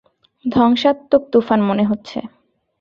ধ্বংসাত্মক তুফান মনে হচ্ছে।